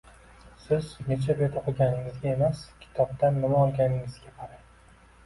Siz necha bet o‘qiganingizga emas, kitobdan nima olganingizga qarang.